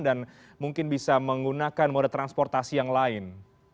dan mungkin bisa menggunakan mode transportasi yang lain